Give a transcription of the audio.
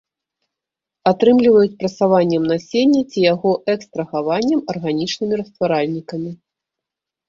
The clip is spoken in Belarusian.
Атрымліваюць прасаваннем насення ці яго экстрагаваннем арганічнымі растваральнікамі.